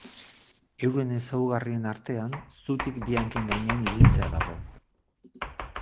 Euren ezaugarrien artean zutik bi hanken gainean ibiltzea dago.